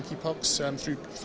kita juga tahu di who